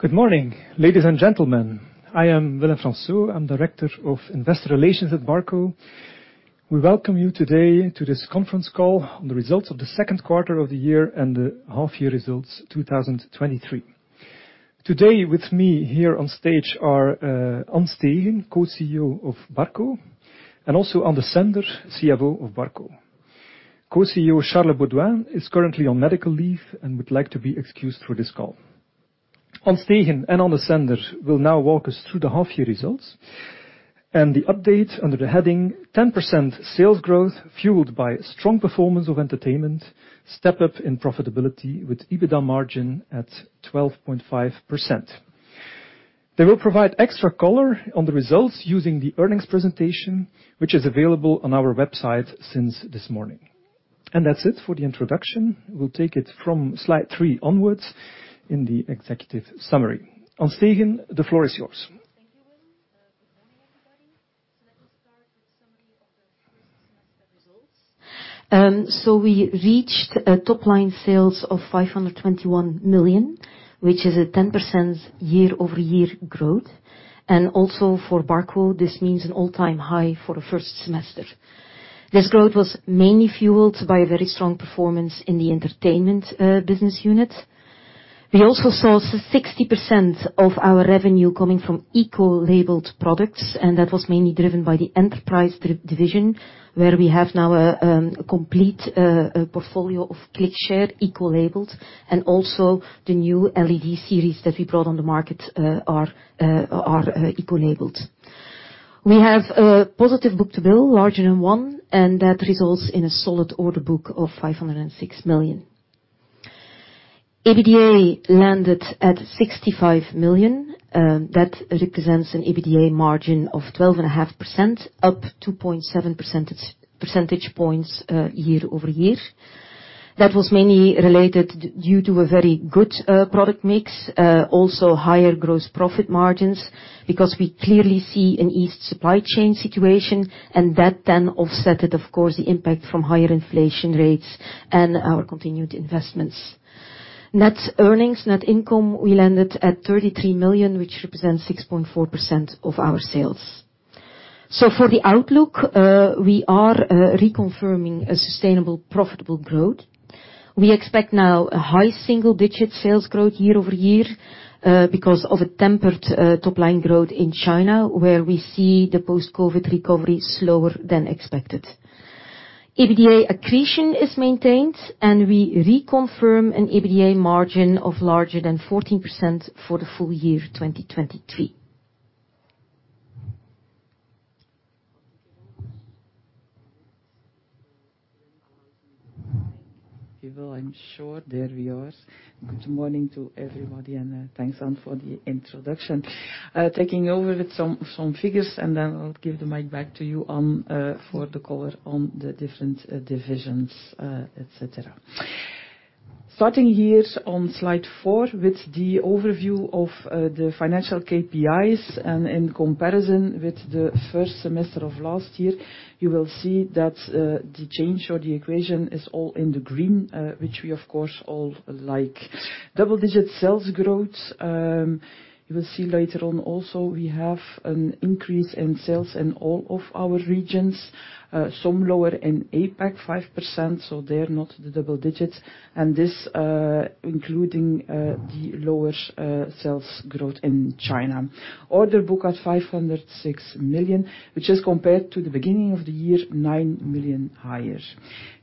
Good morning, ladies and gentlemen. I am Willem Fransoo. I'm Director of Investor Relations at Barco. We welcome you today to this conference call on the results of the second quarter of the year and the half year results, 2023. Today, with me here on stage are An Steegen, Co-CEO of Barco, and also Ann Desender, CFO of Barco. Co-CEO Charles Beauduin is currently on medical leave and would like to be excused for this call. An Steegen and Ann Desender will now walk us through the half year results and the update under the heading: "10% sales growth fueled by strong performance of entertainment, step up in profitability with EBITDA margin at 12.5%." They will provide extra color on the results using the earnings presentation, which is available on our website since this morning. That's it for the introduction. We'll take it from slide 3 onwards in the executive summary. An Steegen, the floor is yours. Thank you, Willem. Good morning, everybody. Let me start with summary of the first semester results. We reached a top line sales of 521 million, which is a 10% year-over-year growth, and also for Barco, this means an all-time high for the first semester. This growth was mainly fueled by a very strong performance in the entertainment business unit. We also saw 60% of our revenue coming from eco-labeled products, and that was mainly driven by the enterprise division, where we have now a complete portfolio of ClickShare eco-labeled, and also the new LED series that we brought on the market are eco-labeled. We have a positive book-to-bill, larger than one, and that results in a solid order book of 506 million. EBITDA landed at 65 million, that represents an EBITDA margin of 12.5%, up 2.7 percentage points year-over-year. That was mainly due to a very good product mix, also higher gross profit margins, because we clearly see an eased supply chain situation, and that then offsetted, of course, the impact from higher inflation rates and our continued investments. Net earnings, net income, we landed at 33 million, which represents 6.4% of our sales. For the outlook, we are reconfirming a sustainable, profitable growth. We expect now a high single-digit sales growth year-over-year, because of a tempered top-line growth in China, where we see the post-COVID recovery slower than expected. EBITDA accretion is maintained, and we reconfirm an EBITDA margin of larger than 14% for the full year 2023. You will, I'm sure. There we are. Good morning to everybody, and thanks, Ann, for the introduction. Taking over with some figures, and then I'll give the mic back to you, Ann, for the color on the different divisions, et cetera. Starting here on slide four with the overview of the financial KPIs, and in comparison with the first semester of last year, you will see that the change or the equation is all in the green, which we, of course, all like. Double-digit sales growth. You will see later on also, we have an increase in sales in all of our regions. Some lower in APAC, 5%, so they are not the double digits, and this, including the lower sales growth in China. Order book at 506 million, which is compared to the beginning of the year, 9 million higher.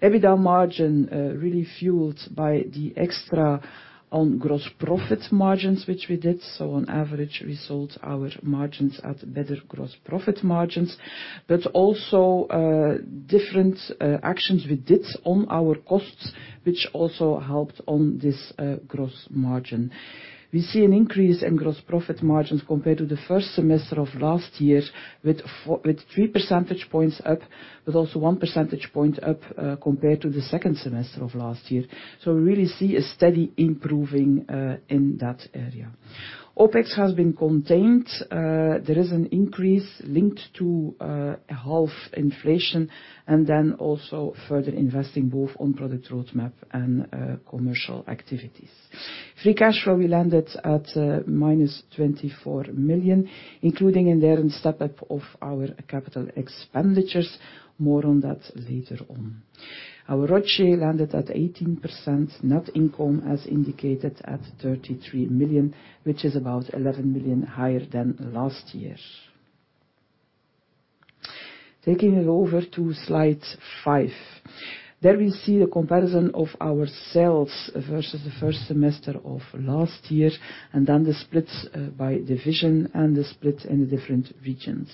EBITDA margin, really fueled by the extra on gross profit margins, which we did. On average, we sold our margins at better gross profit margins, but also different actions we did on our costs, which also helped on this gross margin. We see an increase in gross profit margins compared to the first semester of last year, with 3 percentage points up, but also one percentage point up compared to the second semester of last year. We really see a steady improving in that area. OpEx has been contained. There is an increase linked to half inflation and also further investing both on product roadmap and commercial activities. Free cash flow, we landed at minus 24 million, including in there a step-up of our capital expenditures. More on that later on. Our ROCE landed at 18%. Net income, as indicated, at 33 million, which is about 11 million higher than last year. Taking it over to slide five. There we see a comparison of our sales versus the first semester of last year, and then the splits by division and the split in the different regions.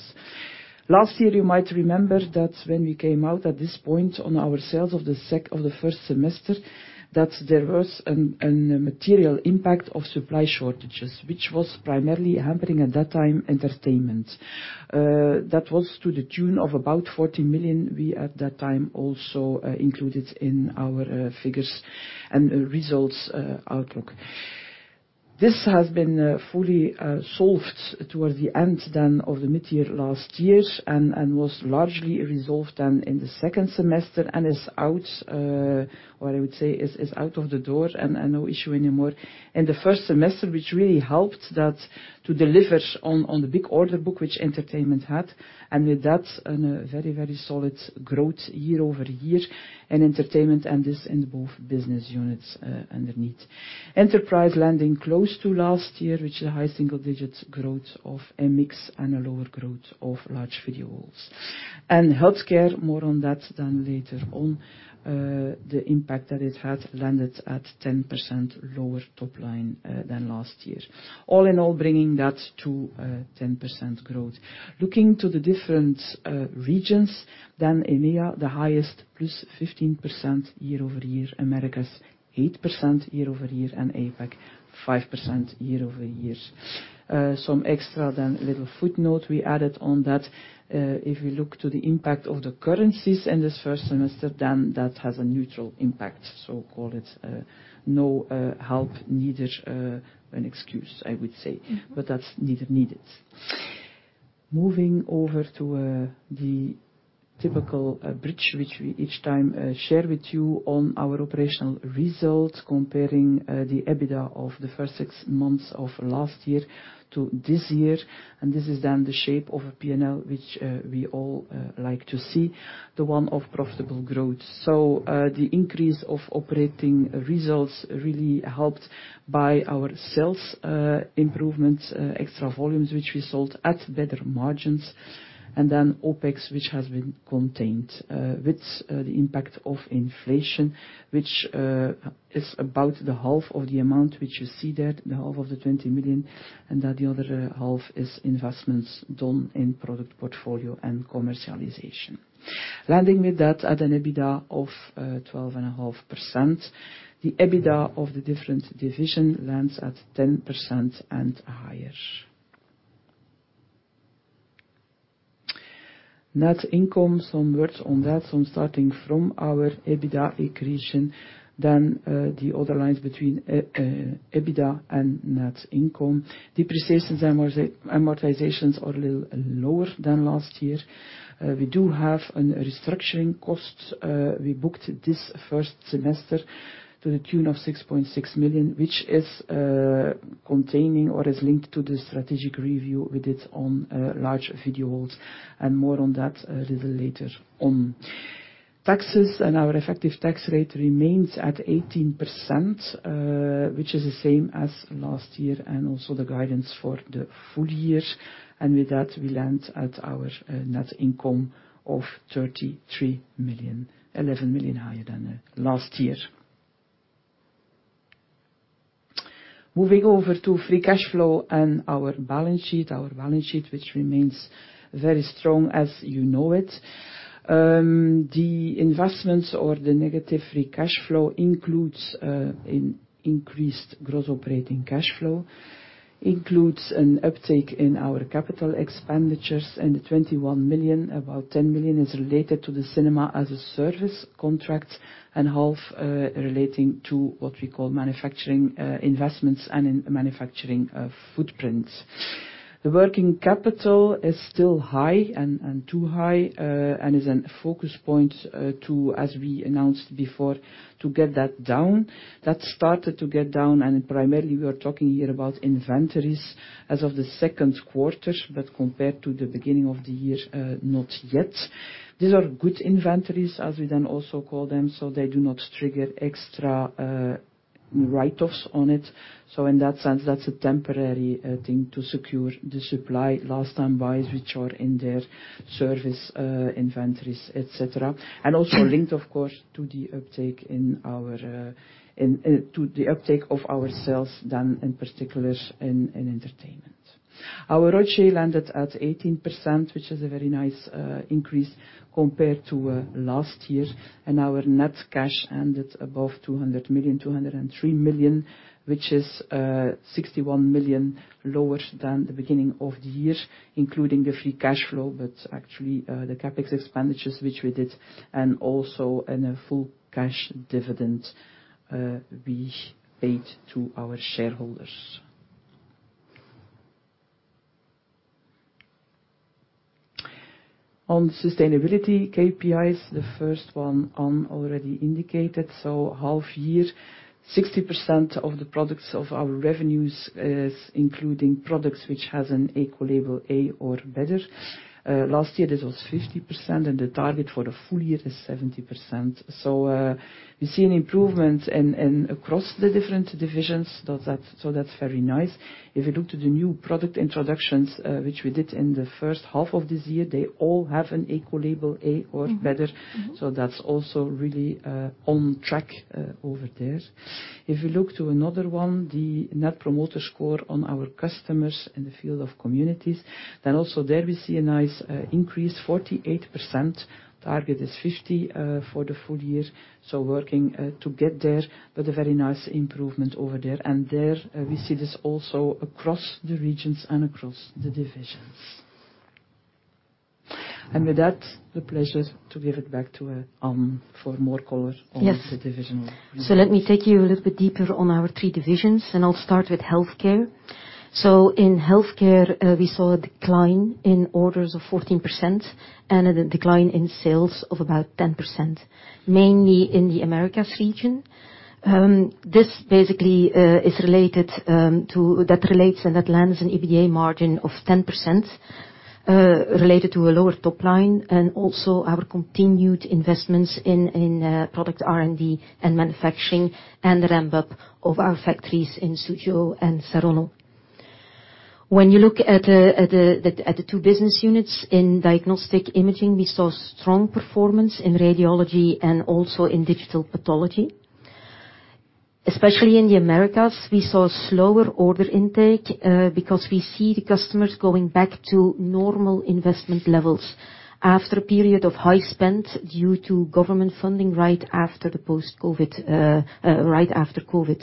Last year, you might remember that when we came out at this point on our sales of the first semester, that there was a material impact of supply shortages, which was primarily hampering, at that time, entertainment. That was to the tune of about 40 million. We, at that time, also included in our figures and results outlook This has been fully solved towards the end then of the mid-year last year, and was largely resolved then in the second semester, and is out what I would say, is out of the door and no issue anymore. In the first semester, which really helped that to deliver on the big order book, which entertainment had, and with that, and a very, very solid growth year-over-year in entertainment, and this in both business units underneath. Enterprise landing close to last year, which is a high single-digit growth of a mix and a lower growth of large video walls. Healthcare, more on that than later on. The impact that it had landed at 10% lower top line than last year. All in all, bringing that to 10% growth. Looking to the different regions, EMEA, the highest, plus 15% year-over-year, Americas, 8% year-over-year, APAC, 5% year-over-year. Some extra little footnote we added on that. If you look to the impact of the currencies in this first semester, that has a neutral impact. Call it no help, neither an excuse, I would say. Mm-hmm. That's neither needed. Moving over to the typical bridge, which we each time share with you on our operational results, comparing the EBITDA of the first six months of last year to this year. This is then the shape of a P&L, which we all like to see, the one of profitable growth. The increase of operating results really helped by our sales improvement, extra volumes, which we sold at better margins, and then OpEx, which has been contained with the impact of inflation, which is about the half of the amount which you see there, the half of the 20 million. The other half is investments done in product portfolio and commercialization. Landing with that at an EBITDA of 12.5%. The EBITDA of the different division lands at 10% and higher. Net income, some words on that, some starting from our EBITDA equation, the other lines between EBITDA and net income. Depreciations and amortizations are a little lower than last year. We do have an restructuring cost. We booked this first semester to the tune of 6.6 million, which is containing or is linked to the strategic review we did on large video walls, more on that a little later on. Taxes, our effective tax rate remains at 18%, which is the same as last year, also the guidance for the full year. With that, we land at our net income of 33 million, 11 million higher than last year. Moving over to free cash flow and our balance sheet. Our balance sheet, which remains very strong, as you know it. The investments or the negative free cash flow includes in increased gross operating cash flow, includes an uptick in our capital expenditures, and 21 million, about 10 million, is related to the cinema-as-a-service contract, and half relating to what we call manufacturing investments and in manufacturing footprint. The working capital is still high and too high and is a focus point to, as we announced before, to get that down. That started to get down, and primarily, we are talking here about inventories as of the second quarter, but compared to the beginning of the year, not yet. These are good inventories, as we then also call them, so they do not trigger extra write-offs on it. In that sense, that's a temporary thing to secure the supply, last time buys, which are in their service, inventories, et cetera. Also linked, of course, to the uptake of our sales than in particular in entertainment. Our ROCE landed at 18%, which is a very nice increase compared to last year. Our net cash ended above 200 million, 203 million, which is 61 million lower than the beginning of the year, including the free cash flow. Actually, the CapEx expenditures, which we did, and also in a full cash dividend, we paid to our shareholders. On sustainability KPIs, the first one, Ann already indicated, half year, 60% of the products of our revenues is including products which has an ECO label A or better. Last year, this was 50%. The target for the full year is 70%. We see an improvement across the different divisions. That's very nice. If you look to the new product introductions, which we did in the first half of this year, they all have an ECO label A or better. Mm-hmm. That's also really, on track, over there. You look to another one, the Net Promoter Score on our customers in the field of communities, then also there we see a nice, increase, 48%. Target is 50, for the full year, so working, to get there, but a very nice improvement over there. There, we see this also across the regions and across the divisions. With that, the pleasure to give it back to Ann for more color on- Yes. The division. Let me take you a little bit deeper on our three divisions, and I'll start with healthcare. In healthcare, we saw a decline in orders of 14% and a decline in sales of about 10%, mainly in the Americas region. This basically is related that relates and that lands an EBITDA margin of 10%, related to a lower top line, and also our continued investments in product R&D and manufacturing, and the ramp-up of our factories in Suzhou and Saronno. When you look at the two business units, in diagnostic imaging, we saw strong performance in radiology and also in digital pathology. Especially in the Americas, we saw a slower order intake, because we see the customers going back to normal investment levels after a period of high spend due to government funding right after the post-Covid, right after Covid.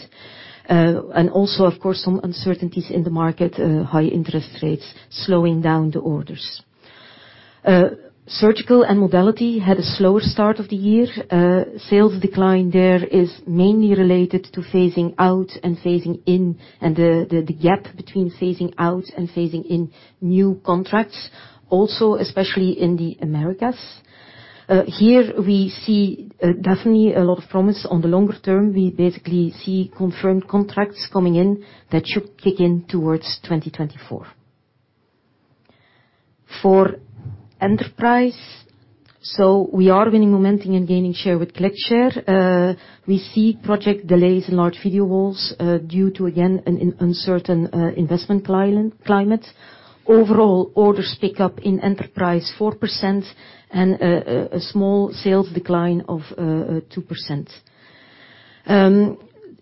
Also, of course, some uncertainties in the market, high interest rates slowing down the orders. Surgical and modality had a slower start of the year. Sales decline there is mainly related to phasing out and phasing in, and the gap between phasing out and phasing in new contracts, also especially in the Americas. Here we see, definitely a lot of promise on the longer term. We basically see confirmed contracts coming in that should kick in towards 2024. Enterprise, we are winning momentum and gaining share with ClickShare. We see project delays in large video walls, due to, again, an uncertain investment climate. Overall, orders pick up in Enterprise 4% and a small sales decline of 2%.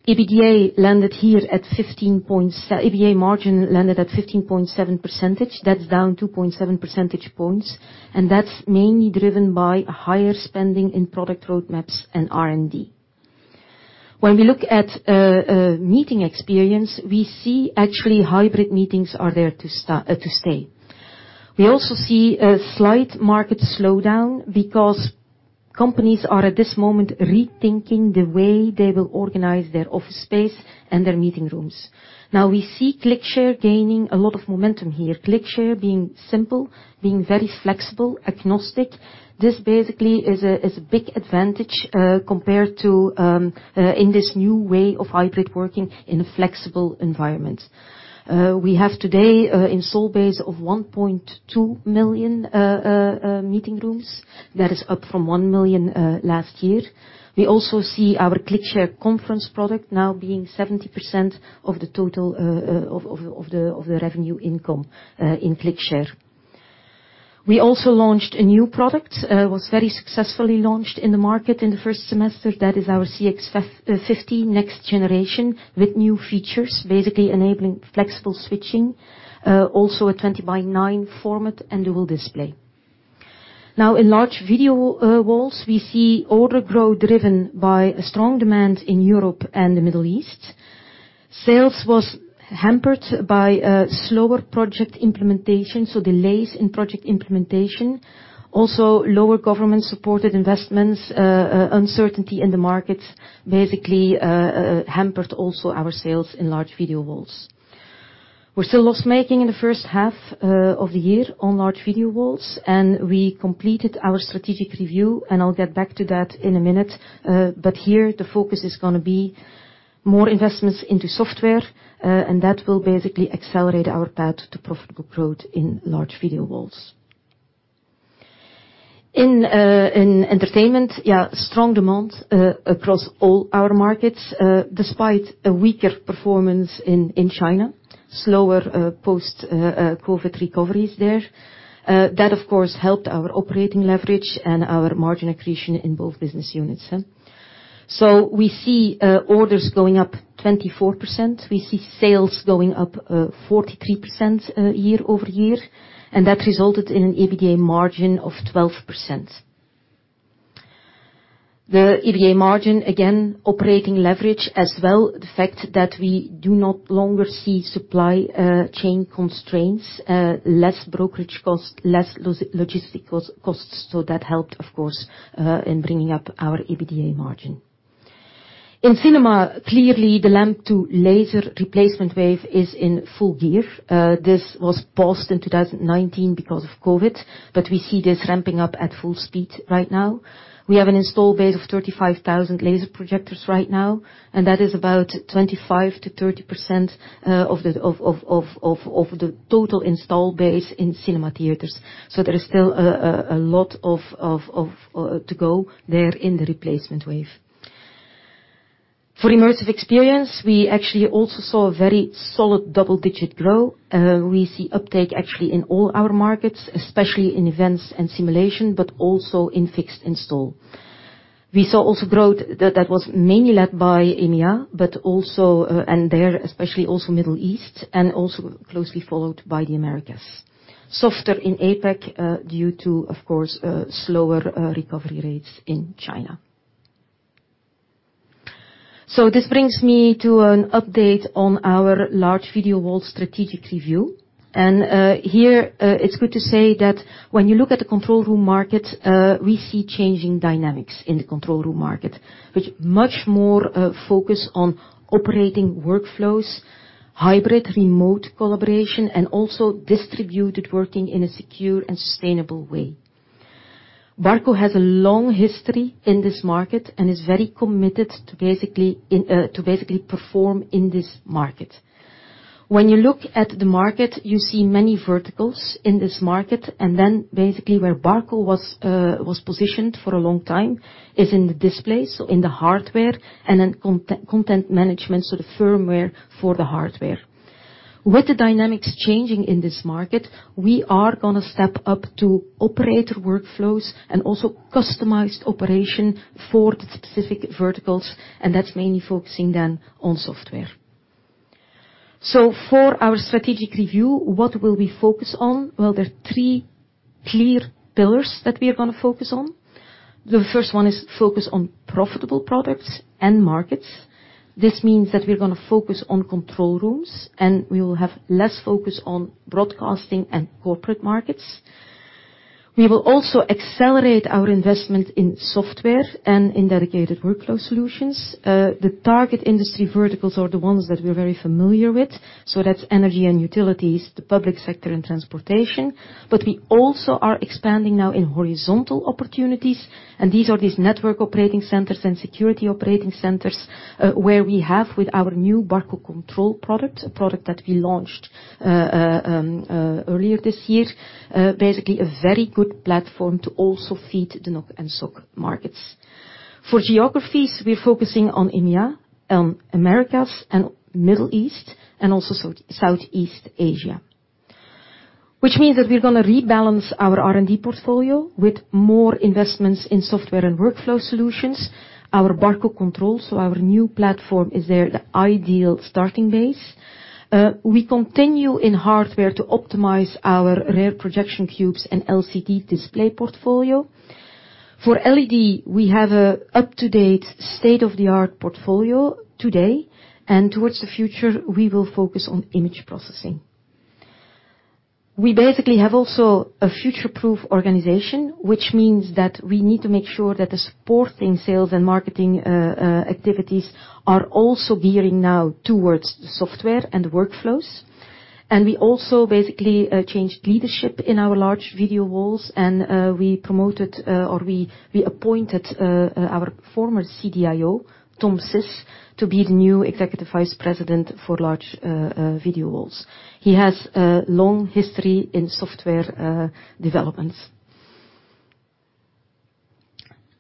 EBITDA margin landed at 15.7%. That's down 2.7 percentage points, and that's mainly driven by a higher spending in product roadmaps and R&D. When we look at meeting experience, we see actually hybrid meetings are there to stay. We also see a slight market slowdown because companies are, at this moment, rethinking the way they will organize their office space and their meeting rooms. We see ClickShare gaining a lot of momentum here. ClickShare being simple, being very flexible, agnostic, this basically is a big advantage compared to in this new way of hybrid working in a flexible environment. We have today install base of 1.2 million meeting rooms. That is up from 1 million last year. We also see our ClickShare Conference product now being 70% of the total revenue income in ClickShare. We also launched a new product, was very successfully launched in the market in the first semester. That is our CX-50 next generation with new features, basically enabling flexible switching, also a 20 by 9 format and dual display. In large video walls, we see order growth driven by a strong demand in Europe and the Middle East. Sales was hampered by a slower project implementation, delays in project implementation. Also, lower government-supported investments, uncertainty in the markets, basically, hampered also our sales in large video walls. We're still loss-making in the first half of the year on large video walls. We completed our strategic review, I'll get back to that in a minute. Here, the focus is gonna be more investments into software. That will basically accelerate our path to profitable growth in large video walls. In entertainment, yeah, strong demand across all our markets, despite a weaker performance in China, slower post-Covid recoveries there. That, of course, helped our operating leverage and our margin accretion in both business units. We see orders going up 24%. We see sales going up, 43% year-over-year, and that resulted in an EBITDA margin of 12%. The EBITDA margin, again, operating leverage as well, the fact that we do no longer see supply chain constraints, less brokerage costs, less logistic costs. That helped, of course, in bringing up our EBITDA margin. In cinema, clearly, the lamp to laser replacement wave is in full gear. This was paused in 2019 because of Covid, but we see this ramping up at full speed right now. We have an install base of 35,000 laser projectors right now, and that is about 25%-30% of the total install base in cinema theaters. There is still a lot to go there in the replacement wave. For Immersive Experience, we actually also saw a very solid double-digit growth. We see uptake actually in all our markets, especially in events and simulation, but also in fixed install. We saw also growth that was mainly led by EMEA, but also, and there, especially also Middle East, and also closely followed by the Americas. Softer in APAC, due to, of course, slower recovery rates in China. This brings me to an update on our large video wall strategic review. Here, it's good to say that when you look at the control room market, we see changing dynamics in the control room market, which much more focus on operating workflows, hybrid remote collaboration, and also distributed working in a secure and sustainable way. Barco has a long history in this market and is very committed to basically perform in this market. When you look at the market, you see many verticals in this market, and then basically, where Barco was positioned for a long time is in the displays, so in the hardware, and then content management, so the firmware for the hardware. With the dynamics changing in this market, we are gonna step up to operator workflows and also customized operation for the specific verticals, and that's mainly focusing then on software. For our strategic review, what will we focus on? There are three clear pillars that we are gonna focus on. The first one is focus on profitable products and markets. This means that we're gonna focus on control rooms, and we will have less focus on broadcasting and corporate markets. We will also accelerate our investment in software and in dedicated workflow solutions. The target industry verticals are the ones that we're very familiar with, so that's energy and utilities, the public sector and transportation. We also are expanding now in horizontal opportunities, and these are these network operating centers and security operating centers, where we have, with our new Barco Control product, a product that we launched earlier this year, basically a very good platform to also feed the NOC and SOC markets. For geographies, we're focusing on EMEA, Americas and Middle East, and also South, Southeast Asia. We're gonna rebalance our R&D portfolio with more investments in software and workflow solutions. Our Barco CTRL, so our new platform, is the ideal starting base. We continue in hardware to optimize our rear projection cubes and LCD display portfolio. For LED, we have a up-to-date state-of-the-art portfolio today, towards the future, we will focus on image processing. We basically have also a future-proof organization, we need to make sure that the supporting sales and marketing activities are also gearing now towards the software and workflows. We also basically changed leadership in our large video walls, and we promoted, or we appointed, our former CDIO, Tom Sys, to be the new Executive Vice President for large video walls. He has a long history in software developments.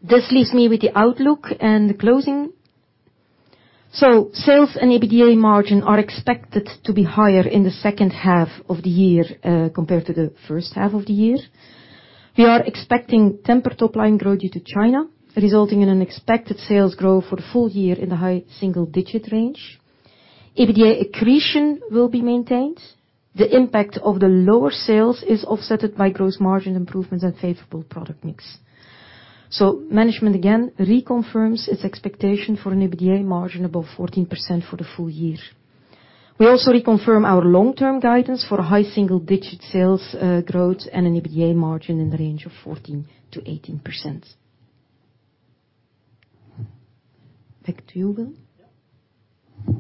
This leaves me with the outlook and the closing. Sales and EBITDA margin are expected to be higher in the second half of the year compared to the first half of the year. We are expecting tempered top-line growth due to China, resulting in an expected sales growth for the full year in the high single-digit range. EBITDA accretion will be maintained. The impact of the lower sales is offsetted by gross margin improvements and favorable product mix. Management again reconfirms its expectation for an EBITDA margin above 14% for the full year. We also reconfirm our long-term guidance for a high single-digit sales, growth and an EBITDA margin in the range of 14%-18%. Back to you, Bill? Yeah.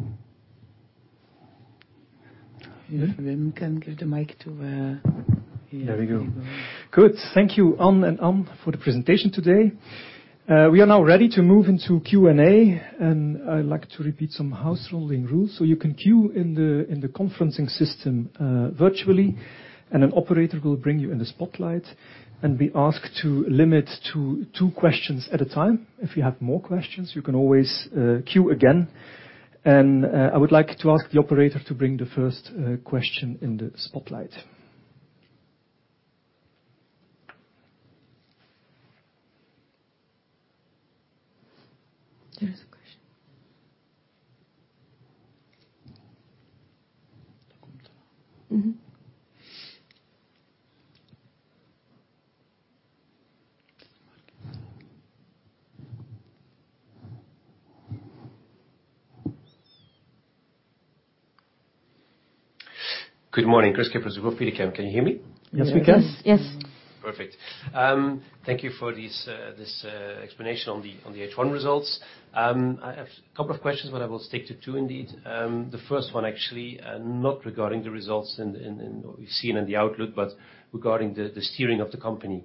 If we can give the mic to her. There we go. Good. Thank you, An and Ann, for the presentation today. We are now ready to move into Q&A, and I'd like to repeat some house ruling rules. You can queue in the, in the conferencing system, virtually, and an operator will bring you in the spotlight. We ask to limit to two questions at a time. If you have more questions, you can always queue again. I would like to ask the operator to bring the first question in the spotlight. There is a question. Mm-hmm. Good morning, Kris Kippers of Degroof Petercam. Can you hear me? Yes, we can. Yes. Yes. Perfect. Thank you for this explanation on the H1 results. I have a couple of questions, I will stick to two indeed. The first one, actually, not regarding the results and what we've seen in the outlook, regarding the steering of the company.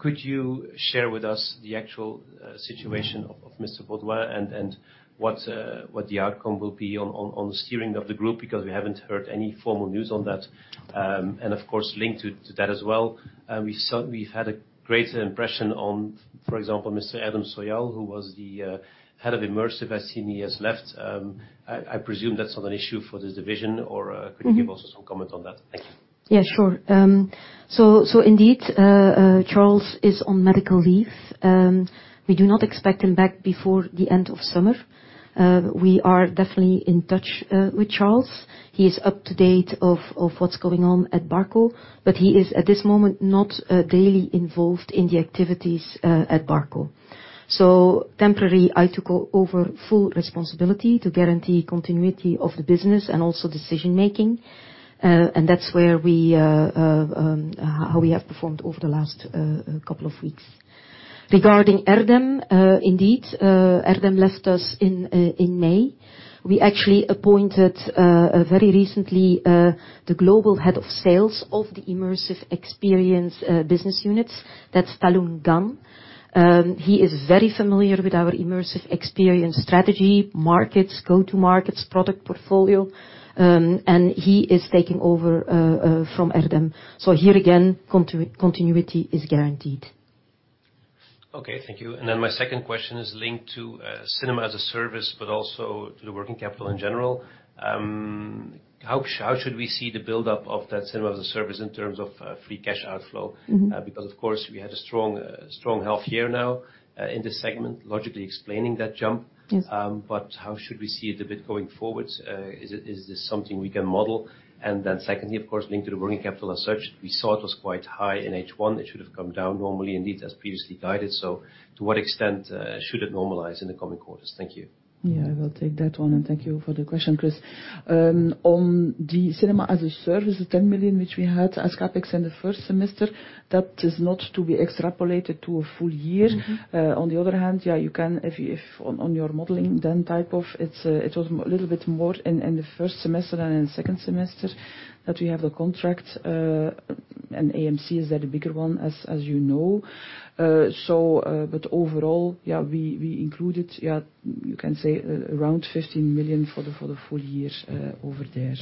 Could you share with us the actual situation of Charles Beauduin and what the outcome will be on the steering of the group? We haven't heard any formal news on that. Of course, linked to that as well, We've had a great impression on, for example, Mr. Adam Coyle, who was the head of immersive. I see he has left. I presume that's not an issue for this division or. Mm-hmm Could you give us some comment on that? Thank you. Yeah, sure. Indeed, Charles is on medical leave. We do not expect him back before the end of summer. We are definitely in touch with Charles. He is up-to-date of what's going on at Barco, but he is, at this moment, not daily involved in the activities at Barco. Temporarily, I took over full responsibility to guarantee continuity of the business and also decision making. That's where we how we have performed over the last couple of weeks. Regarding Erdem left us in May. We actually appointed very recently the Global Head of Sales of the Immersive Experience business units. That's Ta Loong Gan. He is very familiar with our immersive experience strategy, markets, go-to markets, product portfolio, and he is taking over from Erdem. Here again, continuity is guaranteed. Okay, thank you. My second question is linked to, cinema-as-a-service, but also to the working capital in general. How should we see the build-up of that cinema-as-a-service in terms of, free cash outflow? Mm-hmm. Because, of course, we had a strong half year now, in this segment, logically explaining that jump. Yes. How should we see it a bit going forward? Is it, is this something we can model? Secondly, of course, linked to the working capital as such, we saw it was quite high in H1. It should have come down normally, indeed, as previously guided. To what extent, should it normalize in the coming quarters? Thank you. Yeah, I will take that one. Thank you for the question, Kris. On the cinema-as-a-service, the 10 million, which we had as CapEx in the first semester, that is not to be extrapolated to a full year. Mm-hmm. On the other hand, yeah, you can, if on your modeling, then type of it's, it was a little bit more in the first semester than in the second semester, that we have the contract, and AMC is the bigger one, as you know. But overall, yeah, we included, yeah, you can say around 15 million for the, for the full years over there.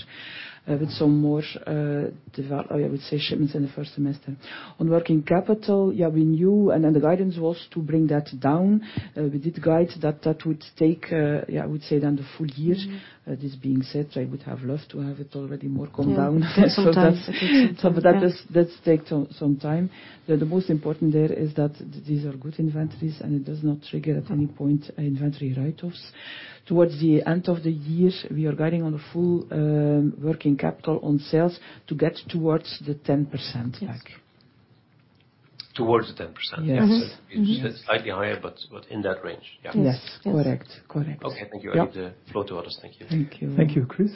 With some more, I would say, shipments in the first semester. On working capital, yeah, we knew, and the guidance was to bring that down. We did guide that that would take, yeah, I would say then the full year. Mm-hmm. This being said, I would have loved to have it already more calm down. Yes, sometimes. That's, but that does take some time. The most important there is that these are good inventories, and it does not trigger at any point inventory write-offs. Towards the end of the year, we are guiding on a full working capital on sales to get towards the 10% back. Yes. Towards the 10%? Yes. Mm-hmm. It's slightly higher, but in that range? Yeah. Yes. Correct. Correct. Okay, thank you. Yeah. I leave the floor to others. Thank you. Thank you. Thank you, Kris.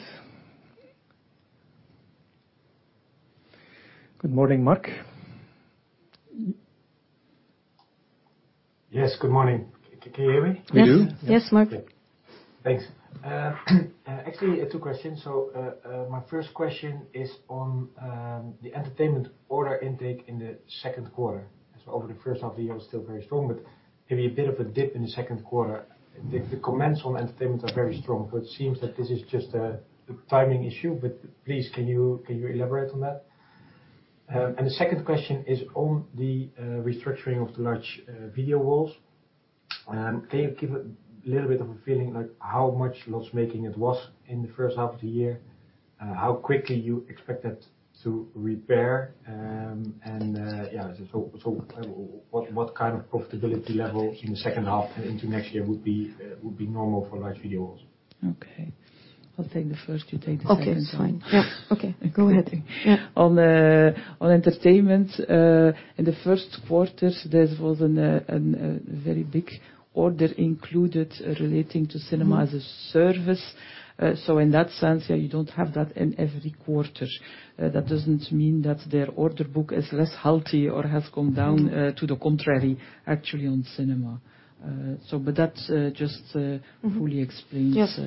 Good morning, Marc. Yes, good morning. Can you hear me? Yes. Can you? Yes, Marc. Thanks. Actually, I have two questions. My first question is on the entertainment order intake in the second quarter. Over the first half of the year, still very strong, but maybe a bit of a dip in the second quarter. The comments on entertainment are very strong, but it seems that this is just a timing issue. Please, can you elaborate on that? The second question is on the restructuring of the large video walls. Can you give a little bit of a feeling like how much loss-making it was in the first half of the year, how quickly you expect that to repair? Yeah, what kind of profitability levels in the second half into next year would be normal for large video walls? Okay. I'll take the first, you take the second one. Okay, fine. Yeah. Okay. Go ahead. Yeah. On entertainment, in the first quarters, there was a very big order included relating to Cinema as a Service. In that sense, yeah, you don't have that in every quarter. That doesn't mean that their order book is less healthy or has come down, to the contrary, actually, on cinema. But that, just- Mm-hmm... fully explains. Yes,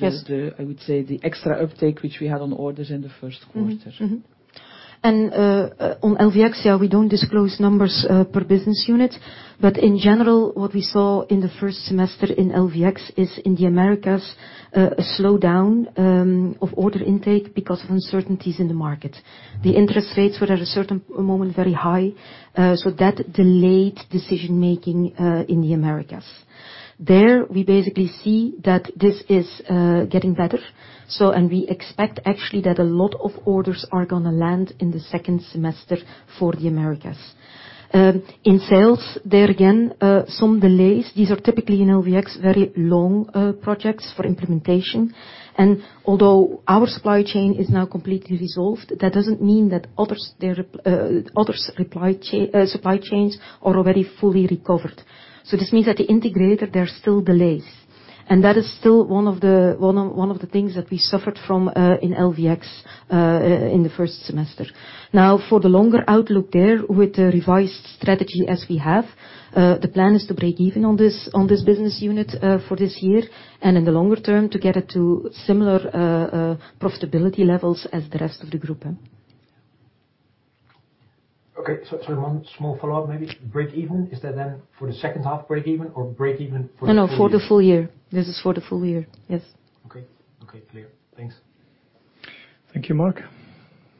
yes. The, I would say, the extra uptake, which we had on orders in the first quarter. Mm-hmm, mm-hmm. On LVE, yeah, we don't disclose numbers per business unit. In general, what we saw in the first semester in LVE is in the Americas, a slowdown of order intake because of uncertainties in the market. The interest rates were at a certain moment, very high, so that delayed decision making in the Americas. There, we basically see that this is getting better. We expect actually that a lot of orders are gonna land in the second semester for the Americas. In sales, there again, some delays. These are typically in LVE, very long projects for implementation. Although our supply chain is now completely resolved, that doesn't mean that others, their, others reply chain, supply chains are already fully recovered. This means that the integrator, there are still delays. That is still one of the things that we suffered from in LVE in the first semester. For the longer outlook there, with the revised strategy as we have, the plan is to break even on this business unit for this year, and in the longer term, to get it to similar profitability levels as the rest of the group. Okay, so one small follow-up, maybe. Break even, is that then for the second half, break even or break even for the full year? No, no, for the full year. This is for the full year. Yes. Okay. Okay, clear. Thanks. Thank you, Marc.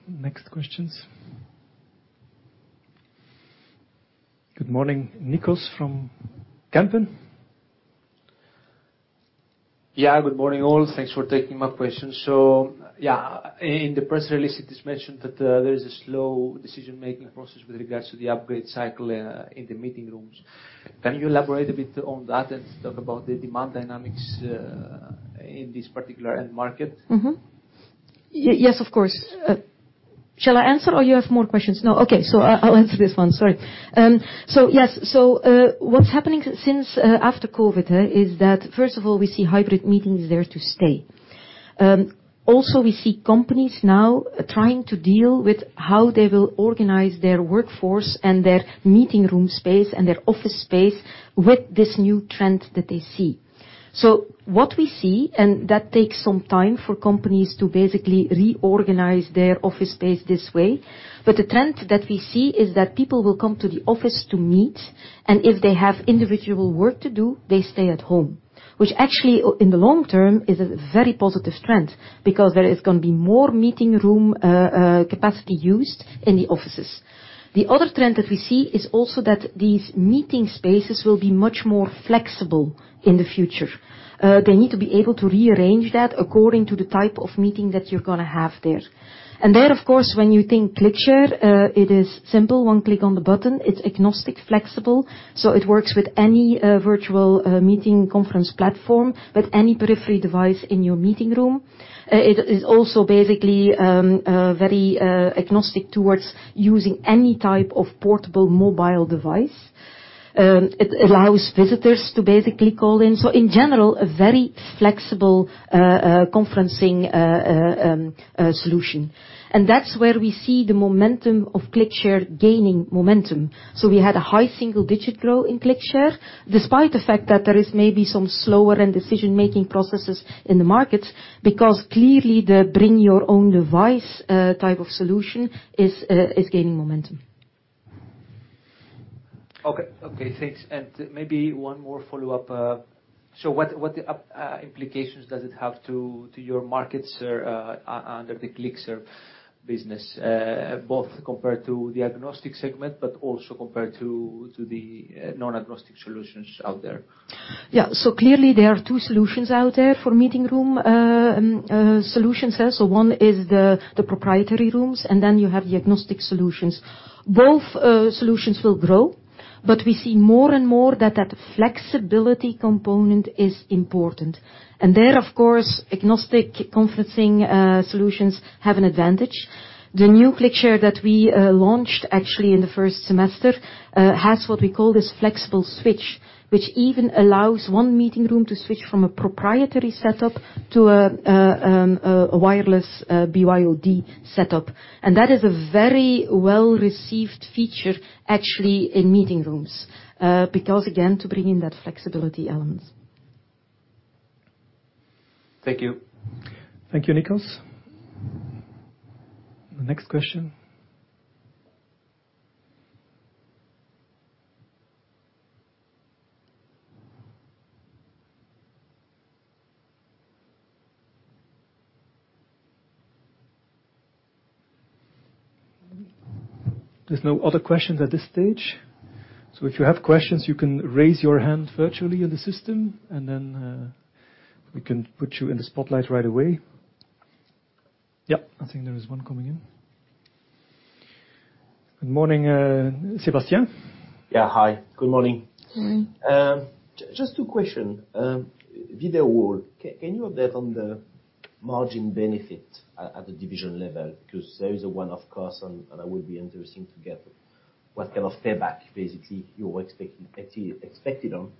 Next questions. Good morning, Nikos from Kempen. Good morning, all. Thanks for taking my question. In the press release, it is mentioned that there is a slow decision-making process with regards to the upgrade cycle in the meeting rooms. Can you elaborate a bit on that and talk about the demand dynamics in this particular end market? Yes, of course. Shall I answer or you have more questions? No. Okay, I'll answer this one. Sorry. Yes, so, what's happening since after COVID is that, first of all, we see hybrid meetings there to stay. Also, we see companies now trying to deal with how they will organize their workforce and their meeting room space and their office space with this new trend that they see. What we see, and that takes some time for companies to basically reorganize their office space this way, but the trend that we see is that people will come to the office to meet, and if they have individual work to do, they stay at home. Which actually, in the long term, is a very positive trend, because there is gonna be more meeting room capacity used in the offices. The other trend that we see is also that these meeting spaces will be much more flexible in the future. They need to be able to rearrange that according to the type of meeting that you're gonna have there. There, of course, when you think ClickShare, it is simple, one click on the button. It's agnostic, flexible, so it works with any virtual meeting conference platform, with any periphery device in your meeting room. It is also basically very agnostic towards using any type of portable mobile device. It allows visitors to basically call in. In general, a very flexible conferencing solution. That's where we see the momentum of ClickShare gaining momentum. We had a high single-digit growth in ClickShare, despite the fact that there is maybe some slower in decision-making processes in the markets, because clearly, the bring your own device type of solution is gaining momentum. Okay. Okay, thanks. Maybe one more follow-up. What implications does it have to your markets under the ClickShare business? Both compared to the agnostic segment, but also compared to the non-agnostic solutions out there. Yeah. Clearly, there are two solutions out there for meeting room solutions. One is the proprietary rooms, and then you have the agnostic solutions. Both solutions will grow, but we see more and more that that flexibility component is important. There, of course, agnostic conferencing solutions have an advantage. The new ClickShare that we launched, actually, in the first semester, has what we call this flexible switch, which even allows one meeting room to switch from a proprietary setup to a wireless BYOD setup. That is a very well-received feature, actually, in meeting rooms, because again, to bring in that flexibility element. Thank you. Thank you, Nikos. The next question? There's no other questions at this stage, so if you have questions, you can raise your hand virtually in the system, and then we can put you in the spotlight right away. Yep, I think there is one coming in. Good morning, Sebastian. Yeah, hi. Good morning. Good morning. Just two question. VideoWall, can you update on the margin benefit at the division level? There is a one, of course, and I will be interesting to get what kind of payback, basically, you're expecting on,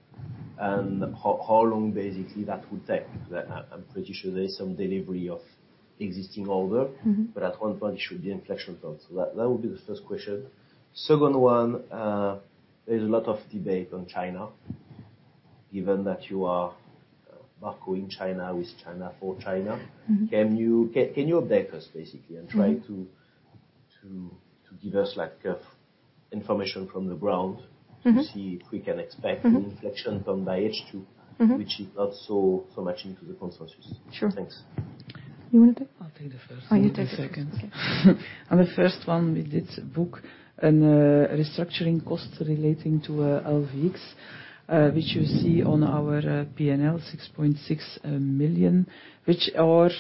and how long basically that would take. I'm pretty sure there is some delivery of existing order- Mm-hmm. At one point, it should be inflection zone. That would be the first question. Second one, there's a lot of debate on China, given that you are marking China, with China, for China. Mm-hmm. Can you update us, basically.. Mm-hmm. and try to give us, like, information from the ground Mm-hmm. to see if we can expect Mm-hmm an inflection term by H2. Mm-hmm which is not so much into the consensus. Sure. Thanks. You wanna take? I'll take the first one. Oh, you take it. The second. On the first one, we did book a restructuring cost relating to LVE, which you see on our P&L, 6.6 million, which are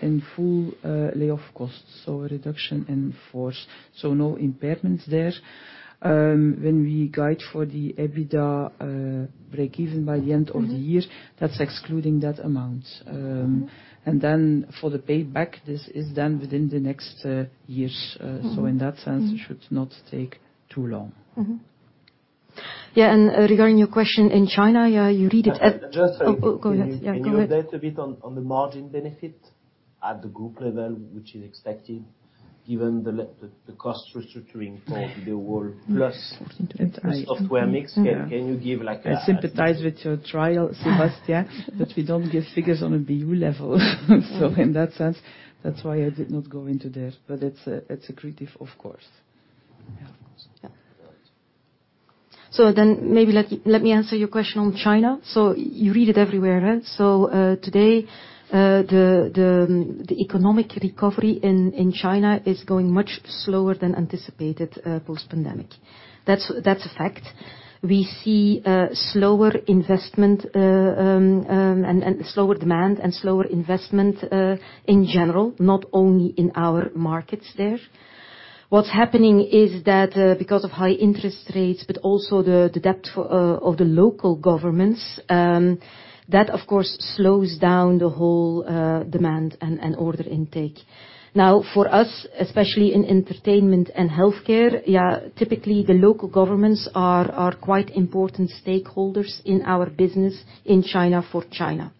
in full lay-off costs, so reduction in force, so no impairments there. When we guide for the EBITDA break even by the end of the year... Mm-hmm... that's excluding that amount. For the payback, this is done within the next years. Mm-hmm. in that sense- Mm-hmm It should not take too long. Mm-hmm. Yeah, regarding your question in China, yeah, you read it-. Just so you- Oh, go ahead. Yeah, go ahead. Can you update a bit on the margin benefit at the group level, which is expected, given the cost restructuring for the wall plus-. 14.8. the software mix? Yeah. Can you give, like? I sympathize with your trial, Sebastian, but we don't give figures on a BU level. In that sense, that's why I did not go into there, but it's accretive, of course. Yeah. Yeah. Right. Maybe let me answer your question on China. You read it everywhere, right? Today, the economic recovery in China is going much slower than anticipated, post-pandemic. That's a fact. We see slower investment, and slower demand and slower investment in general, not only in our markets there. What's happening is that because of high interest rates, but also the debt for of the local governments, that of course slows down the whole demand and order intake. For us, especially in entertainment and healthcare, yeah, typically, the local governments are quite important stakeholders in our business in China, for China.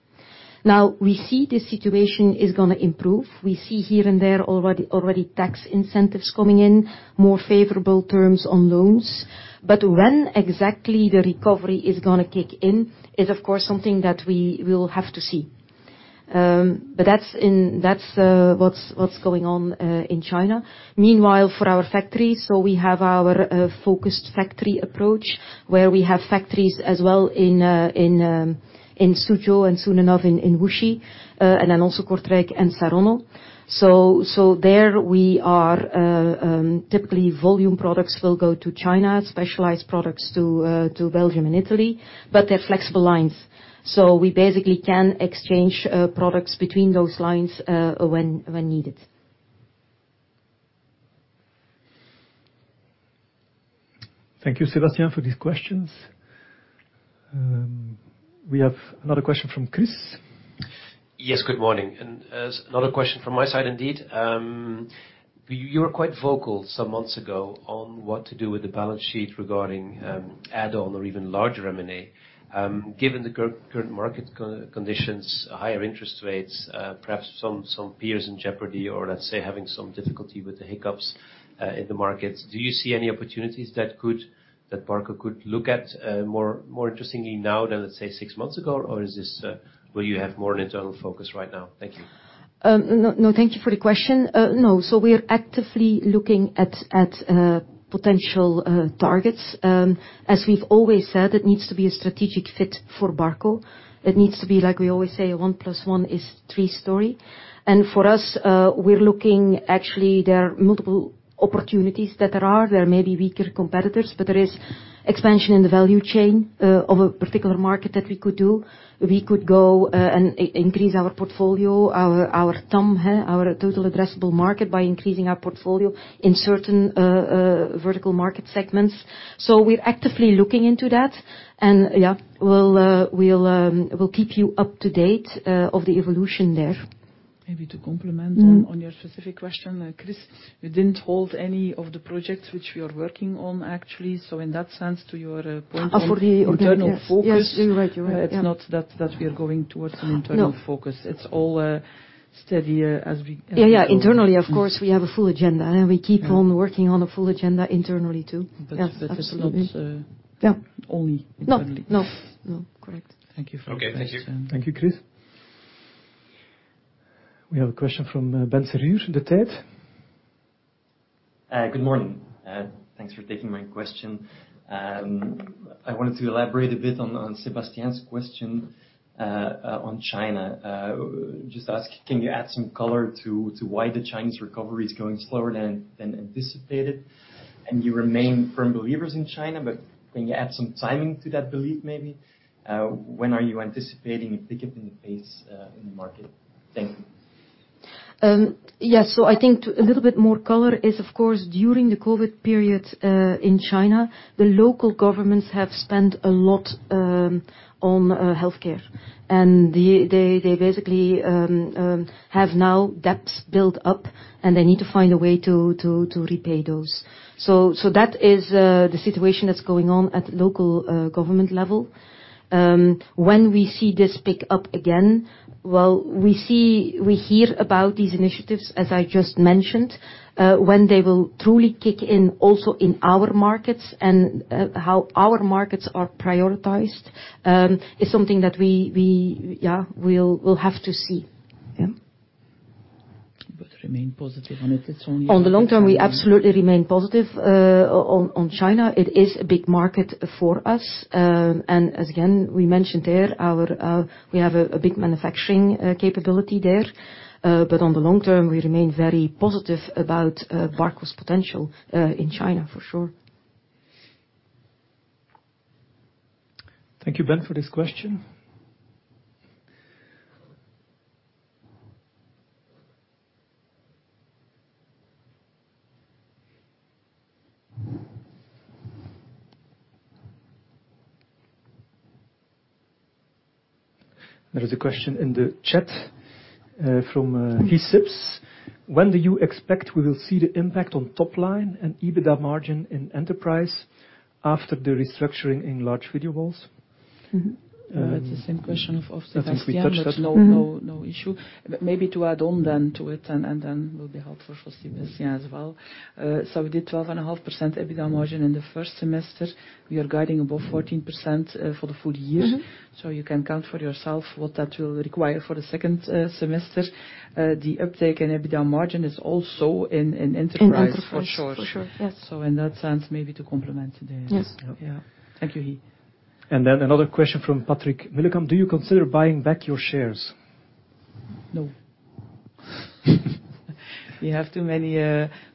We see this situation is gonna improve. We see here and there already tax incentives coming in, more favorable terms on loans. When exactly the recovery is gonna kick in is, of course, something that we will have to see. That's what's going on in China. Meanwhile, for our factories, we have our focused factory approach, where we have factories as well in Suzhou, and soon enough in Wuxi, and then also Kortrijk and Saronno. There we are, typically, volume products will go to China, specialized products to Belgium and Italy, but they're flexible lines. We basically can exchange products between those lines when needed. Thank you, Sebastian, for these questions. We have another question from Kris. Yes, good morning, another question from my side, indeed. You were quite vocal some months ago on what to do with the balance sheet regarding add-on or even larger M&A. Given the current market conditions, higher interest rates, perhaps some peers in jeopardy or, let's say, having some difficulty with the hiccups in the markets, do you see any opportunities that Barco could look at more interestingly now than, let's say, six months ago? Or is this? Will you have more an internal focus right now? Thank you. No, no, thank you for the question. No. We are actively looking at potential targets. As we've always said, it needs to be a strategic fit for Barco. It needs to be like we always say, one plus one is three story. For us, we're looking. Actually, there are multiple opportunities that there are. There may be weaker competitors, but there is expansion in the value chain of a particular market that we could do. We could go and increase our portfolio, our TAM, huh, our total addressable market, by increasing our portfolio in certain vertical market segments. We're actively looking into that, and, yeah, we'll keep you up to date of the evolution there. Maybe to complement- Mm-hmm. On your specific question, Kris, we didn't hold any of the projects which we are working on, actually. In that sense, to your point of. Oh, for the- internal focus. Yes. You're right. You're right, yeah. It's not that we are going towards an internal focus. No. It's all, steady. Yeah. Internally, of course, we have a full agenda. Yeah on working on a full agenda internally, too. But- Yes, absolutely. It's not, Yeah... only internally. No, no. No, correct. Thank you. Okay, thank you. Thank you, Kris. We have a question from Benoit Serrure from De Tijd. Good morning. Thanks for taking my question. I wanted to elaborate a bit on Sebastian's question on China. Just ask, can you add some color to why the Chinese recovery is going slower than anticipated? You remain firm believers in China, but can you add some timing to that belief, maybe? When are you anticipating a pickup in the pace in the market? Thank you. Yes. I think to a little bit more color is, of course, during the COVID period, in China, the local governments have spent a lot on healthcare. They basically have now debts built up, and they need to find a way to repay those. That is the situation that's going on at local government level. When we see this pick up again, well, we hear about these initiatives, as I just mentioned. When they will truly kick in, also in our markets and how our markets are prioritized, is something that we, yeah, we'll have to see. Remain positive on it's only- On the long term, we absolutely remain positive, on China. It is a big market for us. As again, we mentioned there, our, we have a big manufacturing capability there. On the long term, we remain very positive about Barco's potential in China, for sure. Thank you, Ben, for this question. There is a question in the chat from Guy Sips: When do you expect we will see the impact on top line and EBITDA margin in enterprise after the restructuring in large video walls? Mm-hmm. It's the same question of Sebastian. I think we touched that. No, no issue. Maybe to add on then to it, and then will be helpful for Sebastian as well. We did 12.5% EBITDA margin in the first semester. We are guiding above 14% for the full year. Mm-hmm. You can count for yourself what that will require for the second semester. The uptake in EBITDA margin is also in enterprise. In enterprise, for sure. For sure. Yes. In that sense, maybe to complement there. Yes. Yeah. Thank you, He. Another question from Patrick Millecam: Do you consider buying back your shares? No. We have too many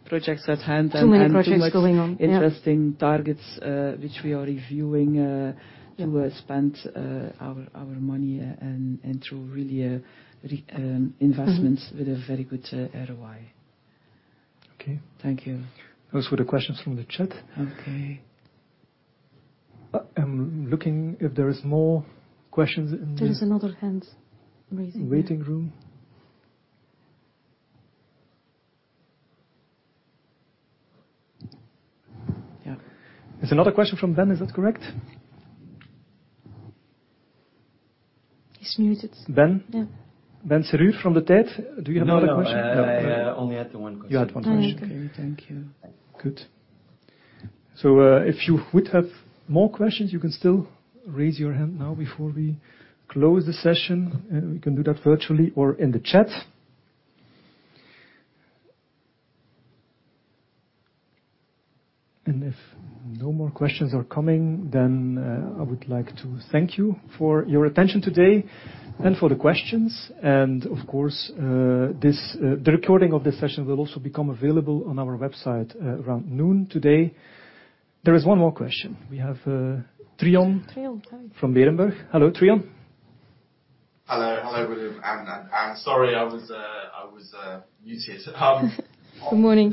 projects at hand. Too many projects going on, yeah.... interesting targets, which we are reviewing. Yeah... to spend our money and to really investments. Mm-hmm... with a very good ROI. Okay. Thank you. Those were the questions from the chat. Okay. ... I'm looking if there is more questions. There is another hand raising there. Waiting room. Yeah. It's another question from Ben, is that correct? He's muted. Ben? Yeah. Ben Serrure from De Tijd, do you have another question? No, I, only had the one question. You had one question. Okay. Thank you. Good. If you would have more questions, you can still raise your hand now before we close the session, we can do that virtually or in the chat. If no more questions are coming, then, I would like to thank you for your attention today and for the questions. Of course, this. The recording of this session will also become available on our website, around noon today. There is one more question. We have, Trion- Trion, sorry. from Berenberg. Hello, Trion. Hello. Hello, William. Sorry, I was muted. Good morning.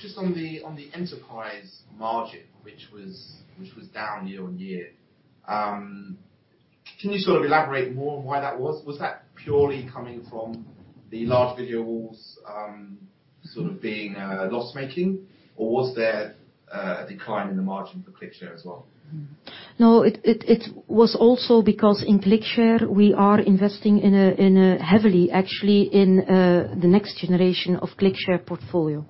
Just on the enterprise margin, which was down year-over-year. Can you sort of elaborate more on why that was? Was that purely coming from the large video walls, sort of being loss-making? Or was there a decline in the margin for ClickShare as well? No, it was also because in ClickShare, we are investing in a heavily, actually, in the next generation of ClickShare portfolio.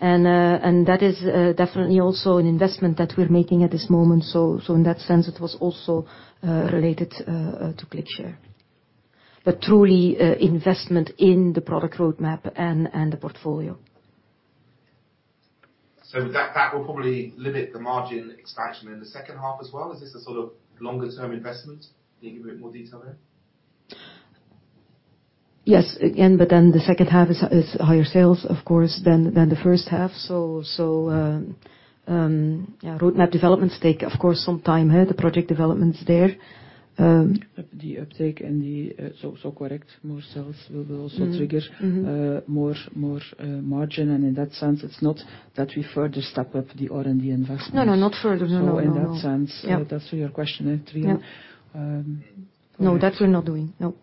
That is definitely also an investment that we're making at this moment. In that sense, it was also related to ClickShare. Truly, investment in the product roadmap and the portfolio. That will probably limit the margin expansion in the second half as well? Is this a sort of longer term investment? Can you give a bit more detail there? Yes, again, the second half is higher sales, of course, than the first half. Yeah, roadmap developments take, of course, some time, hey, the project developments there. The uptake and the, so correct. More sales will also trigger- Mm-hmm... more, margin. In that sense, it's not that we further step up the R&D investments. No, no, not further. No, no. In that sense. Yeah. To answer your question, eh, Tryson. No, that we're not doing. Nope.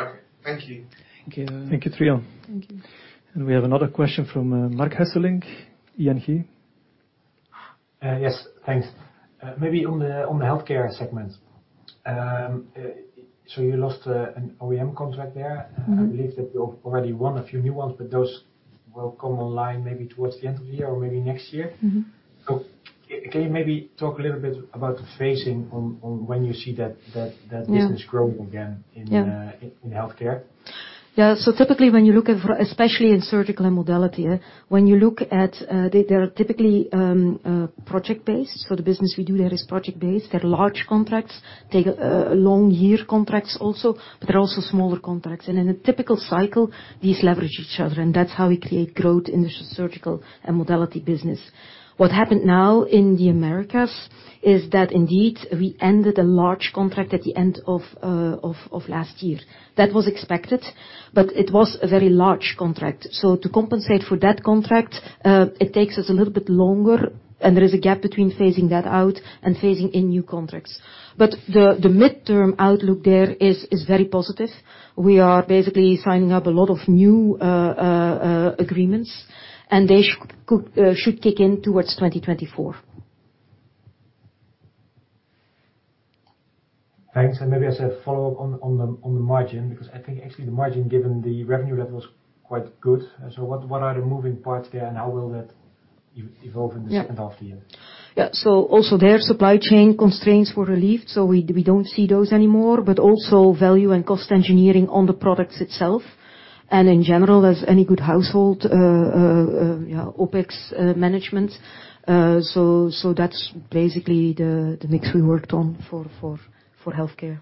Okay. Thank you. Thank you. Thank you, Trion. Thank you. We have another question from, Marc Hesselink, ING. Yes, thanks. Maybe on the healthcare segment. You lost an OEM contract there. Mm-hmm. I believe that you've already won a few new ones, but those will come online maybe towards the end of the year or maybe next year. Mm-hmm. Can you maybe talk a little bit about the phasing on when you see that... Yeah business growing again in... Yeah in healthcare? Yeah. Typically, when you look at especially in surgical and modality, when you look at, they are typically project-based. The business we do there is project-based. They're large contracts, take a long year contracts also, but they're also smaller contracts. In a typical cycle, these leverage each other, and that's how we create growth in the surgical and modality business. What happened now in the Americas is that indeed, we ended a large contract at the end of last year. That was expected, but it was a very large contract. To compensate for that contract, it takes us a little bit longer, and there is a gap between phasing that out and phasing in new contracts. The midterm outlook there is very positive. We are basically signing up a lot of new agreements. They should kick in towards 2024. Thanks. Maybe as a follow-up on the margin, because I think actually the margin, given the revenue level, was quite good. What are the moving parts there, and how will that evolve in the... Yeah second half of the year? Yeah. Also there, supply chain constraints were relieved, so we don't see those anymore, but also value and cost engineering on the products itself. In general, there's any good household, yeah, OpEx management. That's basically the mix we worked on for healthcare.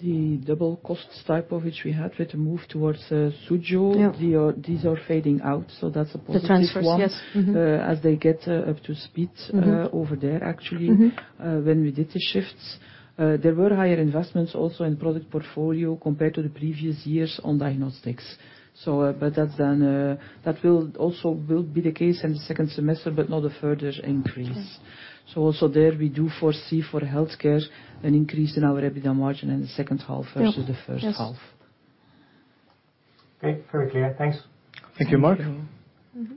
The double cost type of which we had with the move towards, Suzhou. Yeah... these are fading out, so that's a positive one. The transfers, yes. Mm-hmm. as they get up to speed- Mm-hmm over there, actually. Mm-hmm. When we did the shifts, there were higher investments also in product portfolio compared to the previous years on diagnostics. That then, that will also will be the case in the second semester, but not a further increase. Correct. Also there, we do foresee for the healthcare an increase in our EBITDA margin in the second half. Yeah -versus the first half. Yes. Okay, very clear. Thanks. Thank you, Marc. Mm-hmm.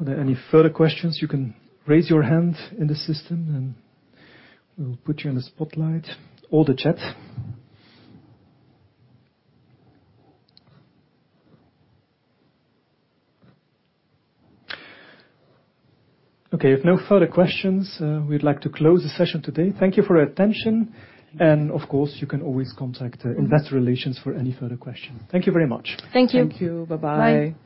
Are there any further questions? You can raise your hand in the system, we'll put you in the spotlight or the chat. Okay, if no further questions, we'd like to close the session today. Thank you for your attention. Thank you. Of course, you can always contact- Mm-hmm investor relations for any further question. Thank you very much. Thank you. Thank you. Bye-bye. Bye.